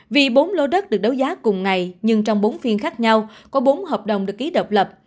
vì bốn lô đất được đấu giá cùng ngày nhưng trong bốn phiên khác nhau có bốn hợp đồng được ký độc lập